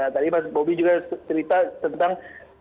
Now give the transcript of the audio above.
tadi mas bobi juga cerita tentang